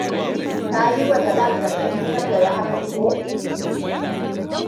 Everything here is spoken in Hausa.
Ka yi ma Jalal gargadi kar ya yi hakan, ko?